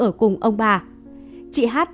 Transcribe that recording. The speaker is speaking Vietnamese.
ở cùng ông bà chị hát